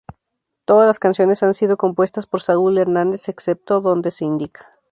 Todas las canciones han sido compuestas por Saúl Hernández, excepto donde se indica.